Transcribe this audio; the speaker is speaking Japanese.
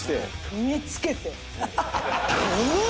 踏みつけて。